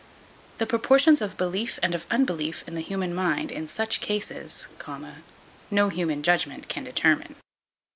The proportions of belief and of unbelief in the human mind in such cases, no human judgment can determine.